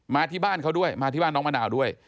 ที่บ้านเขาด้วยมาที่บ้านน้องมะนาวด้วย